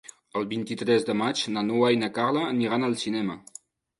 El vint-i-tres de maig na Noa i na Carla aniran al cinema.